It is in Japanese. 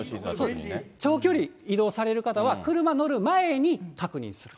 長距離移動される方は、車乗る前に確認すると。